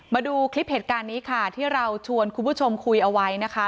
มาดูคลิปเหตุการณ์นี้ค่ะที่เราชวนคุณผู้ชมคุยเอาไว้นะคะ